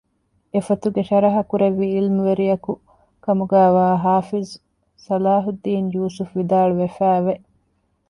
އެ ފޮތުގެ ޝަރަޙަކުރެއްވި ޢިލްމުވެރިޔަކުކަމުގައިވާ ޙާފިޡު ޞަލާޙުއްދީނު ޔޫސުފު ވިދާޅުވެފައިވެ